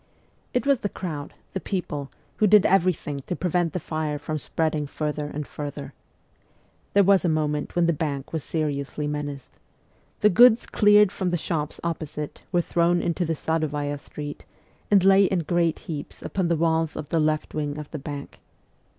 It was the crowd, the people, who did everything to prevent the fire from spreading further and further. There was a moment when the Bank was seriously menaced. The goods cleared from the shops opposite were thrown into the Sadovaya street, and lay in great heaps upon the 'walls of the left wing of the Bank.